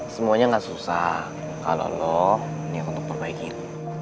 semuanya gak susah kalau lo ini untuk perbaikin